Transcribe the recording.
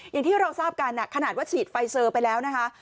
อย่างที่เราทราบกันขนาดว่าฉีดไฟเซอร์ไปแล้วนะคะ